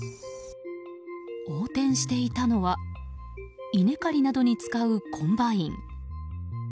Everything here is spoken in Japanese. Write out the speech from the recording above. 横転していたのは稲刈りなどに使うコンバイン。